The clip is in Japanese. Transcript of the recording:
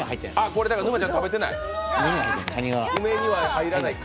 これ、だから沼ちゃん食べてない。